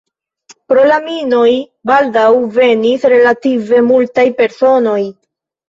Pro la minoj baldaŭ venis relative multaj personoj.